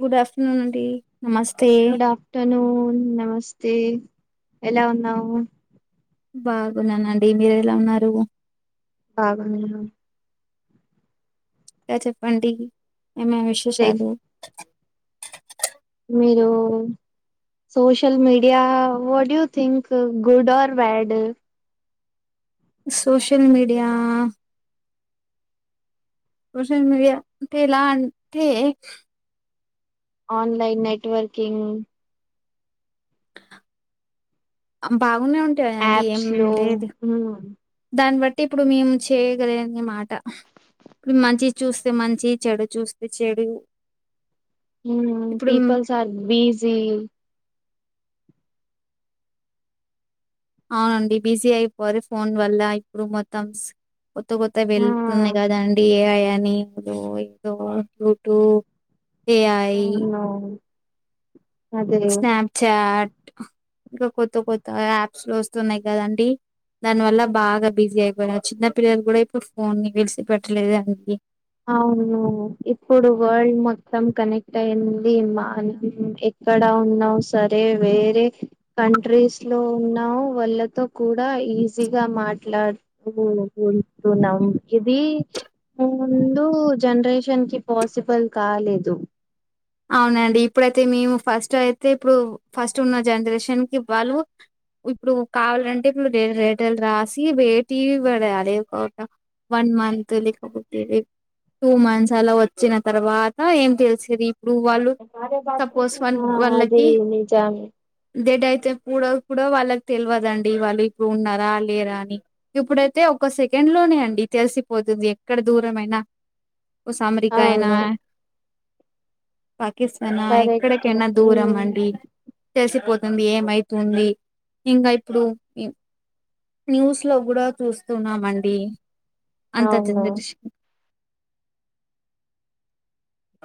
Good afternoon అండి నమస్తే hello నమస్తే ఎలా ఉన్నావు బాగున్నానండి మీరు ఎలా ఉన్నారు బాగున్నాం గ చెప్పండి ఏమేం లైక్ విశేషాలు మీరు social media what you think good or bad social media social media అంటే ఎలా అంటే ఆన్లైన్ నెట్వర్కింగ్ అంబా ఉన్నే ఉంటాయండి యాప్స్ ఏమి లో లేదు దాన్ని బ ట్టి ఇప్పుడు మేము చేయగలిగిన మాట ఇప్పుడు మంచి చూస్తే మంచి చెడు చూస్తే చెడు హు ఇప్పుడు పీపుల్స్ ఆర్ బిజీ అవునండి బిజీ అయిపోరి ఫోన్ వల్ల ఇప్పుడు మొత్తంస్ కొత్త కొత్త వెళ్తున్నాయి కదండి ఏఐ అని ఇప్పుడు ఏదో యూట్యూబ్ ఏఐ అవునవును స్నాప్చాట్ ఇంకా కొత్త కొత్త యాప్స్ లో వస్తున్నాయి కదండి దానివల్ల బాగా బిజీ అయిపోయినారు చిన్న పిల్లలు కూడా ఇప్పుడు ఫోన్ ని విడిసి పెట్టలేదు అండి అవును ఇప్పుడు వరల్డ్ మొత్తం కనెక్ట్ అయింది మా ఆహ్ ఎక్కు. ఇక్కడ ఉన్నా సరే వేరే కంట్రీస్ లో ఉన్నా వాళ్ళతో కూడా. ఈజీగా మాట్లాడుతు ఉంటున్నాం ఇది. ముందు జనరేషన్ కి పాసిబుల్ కాలేదు. అవునండి ఇప్పుడైతే మేము ఫస్ట్ అయితే ఇప్పుడు ఫస్ట్ ఉన్న జనరేషన్ కి వాళ్ళు. ఇప్పుడు కావాలంటే ఇప్పుడు రెండు లెటర్లు రాసి. వేటీవి పడయాలి ఒక ఒక వన్ మంత్ లేకపోతే. టూ మంత్స్ అలా వచ్చిన తర్వాత ఏం తెలిసేది. ఇప్పుడు వాళ్ళు సపోస్ వాలు ఆ అది వాళ్ళకి నిజమే డెడ్ అయితే కూడా ఇప్పుడు వాళ్ళకి తెల్వదండి వాళ్ళు ఇప్పుడు ఉన్నారా లేరా అని ఇప్పుడైతే ఒక సెకండ్ లోనే అండి. తెలిసిపోతుంది ఎక్కడ దూరమైన ఓసు అమెరికా అయినా. అవును పాకిస్తానా కరెక్ట్ ఎక్కడికైనా ఉమ్, దూరమండి తెలిసిపోతుం. ఏమైతుంది ఇంకా ఇప్పుడు ఏం. న్యూస్ లో గుడా చూస్తున్నామండి అంత అవును చెంది.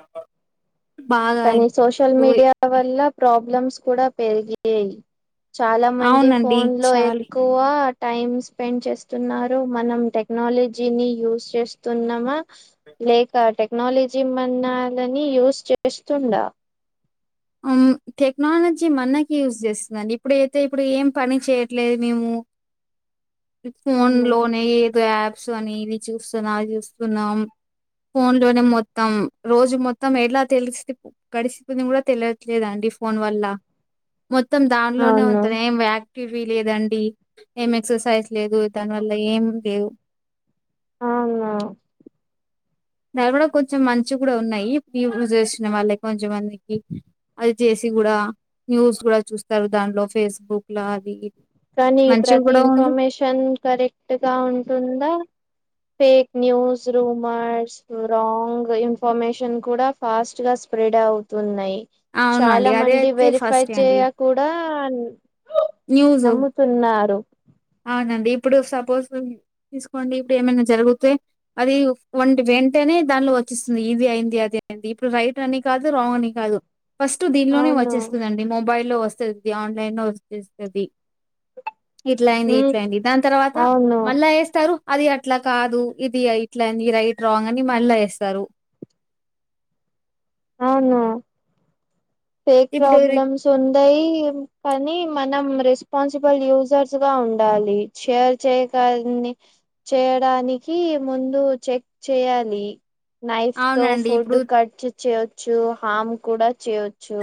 ఆహ్. కానీ సోషల్ మీడియా వల్ల ప్రాబ్లమ్స్ కూడా పెరిగాయి. చాలా మంది అవునండి ఫోన్ లో చాలి ఎక్కువ టైమ్ స్పెండ్ చేస్తున్నారు మనం టెక్. టెక్నాలజీని యూస్ చేస్తున్నామా లేక టెక్నాలజీ మనాలని యూస్ చేస్. చేస్తుందా. ఉమ్. టెక్నాలజీ మనకి యూజ్ చేస్తుందండి ఇప్పుడయితే ఇప్పుడు ఏం పని చేయట్లేదు మేము. ఫోన్ లోనే ఏదో యాప్స్ అనేది చూస్తున్నాం అదీ చూస్తున్నాం. ఫోన్ లోనే మొత్తం రోజు మొత్తం ఎలా తెలిసి గడిసిపోంది కూడా తెలియట్లేదండి. ఈ ఫోన్ వల్ల. మొత్తం దాంట్లోనే అవును ఉంటంది ఏం ఆక్టివిటీ లేదండి ఏం ఎక్సర్సైజ్. లేదు దాని వల్ల ఏం లేవు. అవునా. దాని కూడా కొంచెం మంచి కూడా ఉన్నాయి [unintelligible] చేసిన వాళ్ళాకి కొంచెం మందికి అది చేసి. కూడా న్యూస్ కూడా చూస్తారు దాంట్లో ఫేస్బుక్ లో అది. కానీ మంచిగా ప్రతి కూడా ఉంది ఇన్ఫర్మేషన్ కరెక్ట్ గా ఉంటుందా. Fake news rumours wrong information కూడా ఫాస్ట్ గా స్ప్రెడ్. అవుతున్నాయి అవునండి చాలా అదే మంది అయితే వెరిఫై ఫస్ట్ అండి చేయకూడా. న్యూస్ నమ్ముతున్నారు. అవునండి ఇప్పుడు సపోజ్ తీసుకోండి ఇప్పుడు ఏమైనా జరుగుతే అది వంటి వెంటేనే. దానిలో వచ్చిస్తున్నాయి ఇది అయింది అది అయింది ఇప్పుడు రైట్ అని కాదు రాంగ్ అని కాదు. ఫస్ట్ దీనిలోనే అవును వచ్చేస్తున్నాయండి మొబైల్లో. ఆన్లైన్ లో వచ్చేస్తేది. ఇట్లా అయింది ఉమ్ ఇట్లాయింది దాని తర్వాత అవును మళ్ళా ఎస్తారు. అది అట్లా కాదు ఇది అట్లని రైట్ రాంగ్ అని మళ్ళా వేస్తారు. అవునా. ఫేక్ ఇప్పుడు ప్రాబ్లమ్స్ ఉన్నాయి కానీ మనం. రెస్పాన్సిబుల్ యూజర్స్ గా ఉండాలి షేర్ చేయడాన్ని చేయడానికి. కి ముందు చెక్ చేయాలి. నైఫ్ తో అవునండి. ఫుడ్ ఇప్పుడు కట్ చేయచ్చు హామ్ కూడా చేయొచ్చు.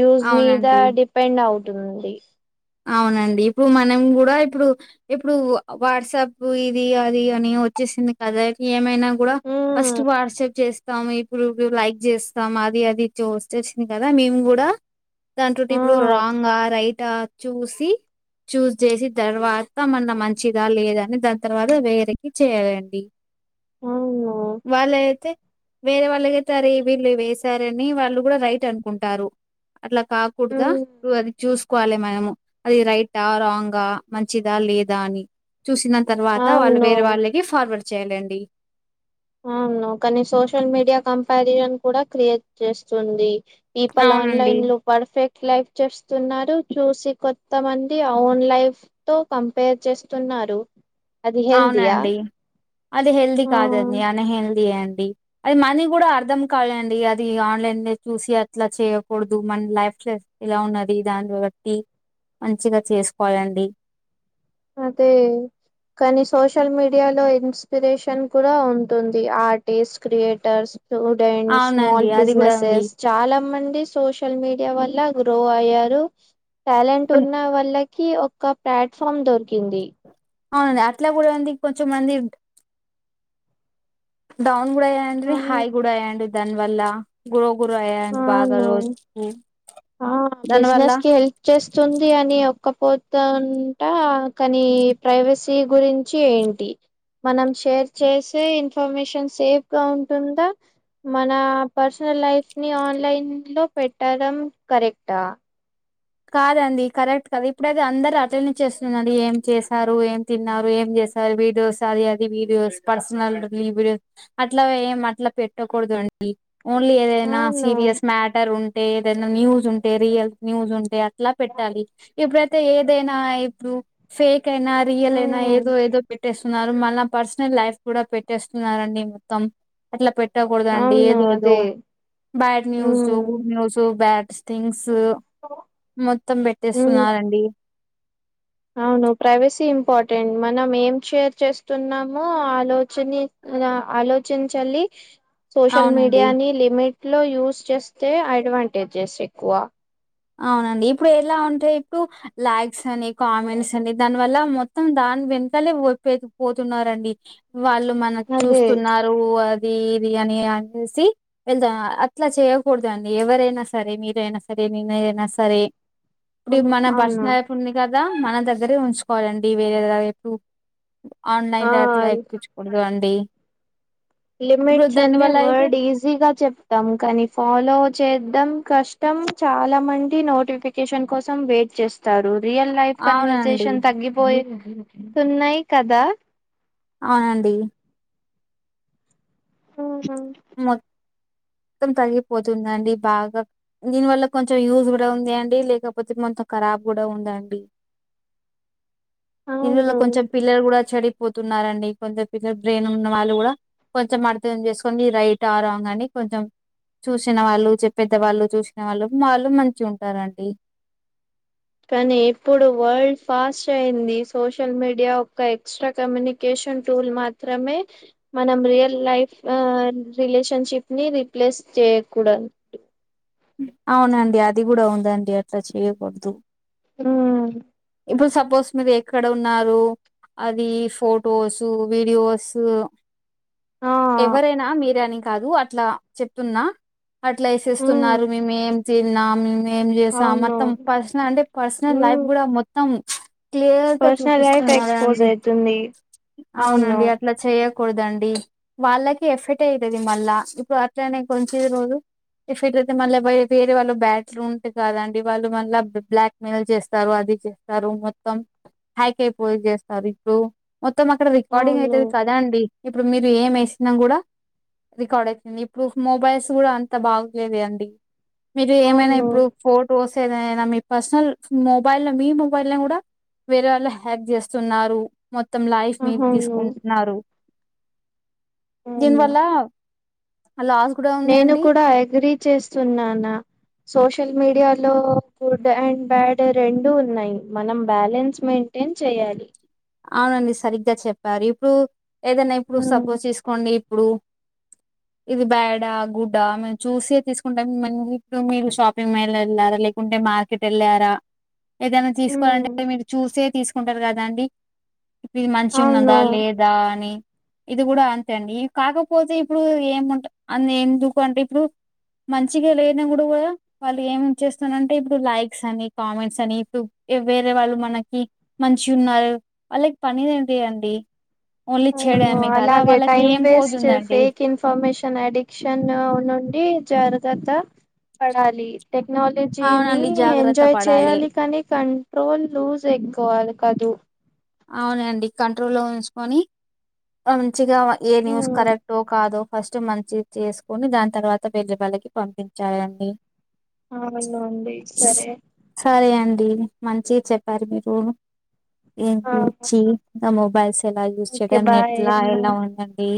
యూజ్ మీద అవునండి. డిపెండ్ అవుతుంది. అవునండి ఇప్పుడు మనం కూడా ఇప్పుడు ఇప్పుడు వాట్సాప్ ఇది అది అని వ వచ్చెసింది కద ఏమైన కూడ ఉమ్ ఫస్ట్ వాట్సప్ చేస్తాము ఇప్పుడు లైక్ చేస్తాము అది అది చూస్త వచ్చెసింది కదా మేము కూడా దాంతో ఆ ఇప్పుడు రాంగా రైట సంమధ మంచిదా లేదా అని దాని తర్వాత వేరకి చేయాలండి. అవును వాళ్ళైతే వేరే వాళ్ళకైతేరే వీళ్ళు వేసారని వాళ్ళు కూడా రైట్ అనుకుంటారు అట్లా కాకూడద ఉమ్ నువ్వు అది చూసుకోవాలి మనము అది రైటా రాంగా మంచిదా లేదా అని చూసిన తర్వాత వాళ్ళు అవును వేరే వాళ్ళకి ఫార్వర్డ్ చేయాలండి. అవును కానీ సోషల్ మీడియా కంపారిజన్ కూడా క్రియేట్ చేస్తుంది. ఈ ఫల్ అవునండి ఆన్లైన్లు పర్ఫెక్ట్ లైక్ చేస్తున్నారు చూసి కొత్తమంది ఓన్ లైఫ్ తో కంపేర్ చేస్తున్నా రు అది హేల్దియా అవునండి అది హేల్ది కాదంది అనహేల్ది అడి అది మనీ కూడా అర్థం కాలండి అది ఆన్లైన్ చూసి అట్లా చేయకూడదు మ లైఫ్లె ఇలా ఉన్నది దానిబట్టి మంచిగా చేసుకోవాలండి. అదే కానీ సోషల్ మీడియా లో ఇన్స్పిరేషన్ కూడా ఉంటుంది ఆర్టిస్ట్ క్రియేటర్స్ స్టూడెంట్స్ అవునండి స్మాల్ అది కూడా ఉంది బిజినెసెస్ చాలా మంది సోషల్ మీడియా వల్ల గ్రో అయ్యారు టాలెంట్ ఉన్న వాళ్ళకి ఒక ప్లాట్ఫామ్ దొర కింది అవునండి అట్లా కూడా అంది కొంచెంమంది డౌన్ కూడా అయండ హై అవును కూడా అయ్యరండి దాని వల్ల గ్రో గుర అయ్యారండి బాగా అవును రోజు మి ఆ బిజినెస్ కి హెల్ప్ చేస్తుంది అని ఓ తకపోతఅంట కానీ ప్రైవసీ గురించి ఏంటి మనం షేర్ చేసే ఇన్ఫర్మేషన్ సేఫ్ గా ఉంటుందా మన పర్సనల్ లైఫ్ ని ఆన్లైన్ లో పెట్టడం కరెక్టా కాదండి కరెక్ట్ ఇప్పుడైతే అందరు అట్లనే చేస్తున్నారండి ఏం చేశారు ఏం తిన్నారు ఏం చే వీడియోస్ అది అది వీడియోస్ పర్సనల్ వీడియోస్ అట్లా ఏం అట్లా పెట్టకూడదు అ [inaudible] ఓన్లీ ఏదైనా అవును సీరియస్ మ్యాటర్ ఉంటే ఏదైనా న్యూస్ ఉంటే రియల్ న్యూస్ ఉంటే అ ట్లా పెట్టాలి ఇప్పుడైతే ఏదైనా ఇప్పుడు ఫేక్ ఐనా రియల్ ఆ ఐనా ఏదో ఏదో పె పేట్టేస్తున్నారు మళ్ళ పర్సనల్ లైఫ్ కూడా పెట్టేస్తున్నారండి మొత్తం అట్లా పె పేట్టకూడదాండి అవును ఏదో ఏదో అదే bad news, um good news, bads things మొత్తం ఉమ్ పెట్టేస్తున్నారండి అవును ప్రైవసీ ఇంపార్టెంట్ మనం ఏం షేర్ చేస్తున్నామో ఆలోచనె అల ఆలోచించాలి సోషల్ అవునండి మీడియాని లిమిట్ లో యూస్ చేస్తే అడ్వాంటేజెస్ ఎక్కువ అవునండి ఇప్పుడు ఎలా అంటే ఇప్పుడు లైక్స్ అని కామెంట్స్ అని దానివల్ల మొత్తం దా దాని వెనకలే వపె పోతున్నరండి వాళ్ళు మనకి అదే చూస్తున్నారు ఇది ఇది అని అనేసి వెళ్దాం అట్లా చేయకూడదు అండి ఎవరైనా సరే మీరైనా సరే ఎదయినా సరే ఇప్పుడు అవును మన అవును పర్సనలు ఉంది కదా మన దగ్గరే ఉంచుకోవాలండి వేరే దగ ఎప్పుడు ఆ ఆన్లైన్ అట్లా ఎక్కుకించకూడదు అండి ఇప్పుడు లిమిట్స్ అన్ని దానివల్ల అయితే వర్డ్ ఈజీగా చెప్తాం కానీ ఫాలో చే కష్టం చాలా మంది నోటిఫికేషన్ కోసం వెయిట్ చేస్తారు రియల్ లైఫ్ అవునండి. కన్వర్సేషన్ తగ్గిపోయి ఉన్నాయి కదా అవునండి ఆహా మొ మొత్తం తగ్గిపోతుందండి బాగా దీనివల్ల కొంచెం యూజ్ కూడా ఉంది అండి లేకపోతే కరాబ్ కూడా ఉందండి ఇల్లులో అవును కొంచెం పిల్లలు కూడా చెడి పోతున్నారండి కొందరు పిల్లలు బ్రెయిన్ ఉన్న వాళ్ళు కూడా కొంచెం అర్థం చేసు రైట్ ఆ రాంగ్ అని కొంచెం చూసిన వాళ్ళు చెప్పే పెద్దవాళ్ళు చూసిన వాళ్ళు వాళ్ళు మంచిగా ఉంటారండి కానీ ఇప్పుడు వరల్డ్ ఫాస్ట్ అయింది సోషల్ మీడియా ఒక ఎక్స్ట్రా కమ్యూనికేషన్ టూల్ మాత్రమే మనం రియల్ లైఫ్ రిలేషన్షిప్ ని రిపీట్ చేయకూడదు అవునండి అది కూడా ఉందండి అట్లా చేయకూడదు ఉ ఇప్పుడు సపోజ్ మీరు ఎక్కడ ఉన్నారు అది ఫొటోసు వీడియోస్ ఆ ఎవరైనా మీరని కాదు అట్లా చెప్తున్నా అట్లా ఉమ్ వేసేస్తున్నారు మేము ఏం తిన్నాము ఏం చేసాము అవును మొత్తం పర్సనల్ అంటే పర్సనల్ ఉమ్ లైఫ్ కూడా మొత్తం క్లియర్గా పర్సనల్ లైఫ్ చూపిస్తున్నారు ఎక్స్పోజ్ అండి అయితుంది అవును అవునండి అట్లా చేయ కూడదండి వాళ్ళకి ఎఫెక్ట్ అయితది మళ్ళా ఇప్పుడు అట్లనే కొంచది రోజు ఎఫెక్ట్ అయితే మళ్ళీ వేరే వాళ్ళు బ్యాసు ఉంటయి కదండి వాళ్ళు మళ్ళా బ్లాక్ మెయిల్ చేస్తారు అది స్తారు మొత్తం హ్యాక్ అయిపోయి చేస్తారు ఇప్పుడు మొత్తం అక్కడ రికార్డింగ్ అవును అయితది కదా అండి ఇప్పుడు మీరు ఏమేస్త కూడా రికార్డ్ అయితుంది ఇప్పుడు మొబైల్స్ కూడా అంత బాగులేది అండి. మీరు ఏమైనా అవును ఇప్పుడు ఫొటోస్ ఏదైనా మీ పర్సనల్ మొబైల్ లో మీ మొబైల్ ల కూడా వేరే వాళ్ళ హ్యాక్ చేస్తున్నారు మొత్తం లైఫ్ రి అవును తీసుకుంటున్నారు అవునా దీనివల్ల నేను కూడా అగ్రి చేస్తున్నానా సోషల్ మీడియాలో గుడ్ అండ్ బ్యాడ్ రెండు ఉన్నాయి మనం బ్యాలెన్స్ మెయి టేన్ చేయాలి అవునండి సరిగ్గా చెప్పారు ఇప్పుడు ఏదైనా ఇప్పుడు ఉమ్, సపోజ్ తీసుకోండి ఇప్పుడు ఇది బ్యాడా గుడ్డా మేము చూసే తీసుకుంటాం ఇప్పుడు మీ షాపింగ్ మల్ వెళ్ళాల లేకుంటే మార్కెట్ వెళ్ళారా ఏదైనా తీసుకోవాలంటే ఉమ్, మీరు చూసే తీసుకుంటారు కదా ఇది మంచిగా అవును ఉన్నదా లేదా అని ఇది కూడా అంతే అండి కాకపోతే ఇప్పుడు ఏముంట అ ఎందుకు అంటే ఇప్పుడు మంచిగా లేనపుడు కూడా కూడా వాళ్ళు ఏం చేస్తునంటే ఇప్పుడు లైక్స్ అని కామెంట్స్ అని ఇప్పుడు వేరే వాళ్ళు మనకి మంచి ఉన్నారు వాళ్ళకి పనిది ఏంటి అండి ఓన్లీ చే అవును అలాగే time waste fake information addiction నుండి జరు తత పడాలి టెక్నాలజీని అవునండి జాగ్రత్త ఎంజాయ్ పడాలి చేయాలి కానీ క ట్రోల్ లూజ్ ఎక్కువ అది కాదు అవునండి కంట్రోల్లో ఉంచుకొని మనం మంచిగా ఏ న్యూస్ ఉమ్, కరెక్టో కాదో ఫస్ట్ మనం చెక్ చేసుకొని దాని తర్వాత వెళ్ళే వాళ్ళకి పంపించాలండి అవునండి సరే టి మంచిగా చెప్పారు మీరు ఏం తీర్చి నా మొబైల్స్ ఎలా యూస్ ఓకే చేయడం బాయ్ నెట్లా ఎలా ఉంటంది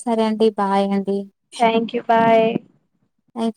సరే అండి బాయ్ అండి థ్యాంక్ యూ బాయ్ థం